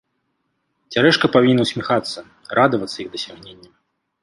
Цярэшка павінен усміхацца, радавацца іх дасягненням.